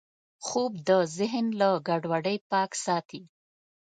خوب د ذهن له ګډوډۍ پاک ساتي